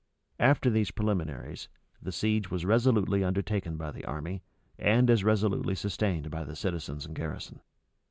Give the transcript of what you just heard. [] After these preliminaries, the siege was resolutely undertaken by the army, and as resolutely sustained by the citizens and garrison.